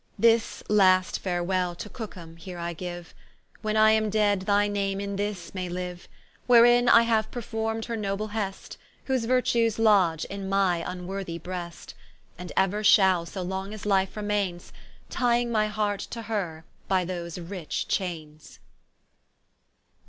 This last farewell to Cooke ham here I giue, When I am dead thy name in this may liue, Wherein I haue perform'd her noble hest, Whose virtues lodge in my vnworthy breast, And euer shall, so long as life remaines, Tying my heart to her by those rich chaines.